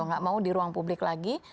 nggak mau di ruang publik lagi